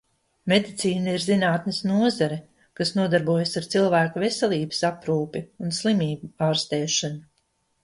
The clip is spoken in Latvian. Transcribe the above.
Medicīna ir zinātnes nozare, kas nodarbojas ar cilvēka veselības aprūpi un slimību ārstēšanu.